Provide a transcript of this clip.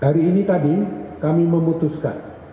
hari ini tadi kami memutuskan